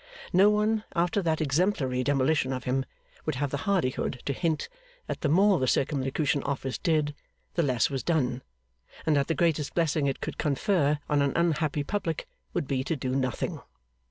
No one, after that exemplary demolition of him, would have the hardihood to hint that the more the Circumlocution Office did, the less was done, and that the greatest blessing it could confer on an unhappy public would be to do nothing.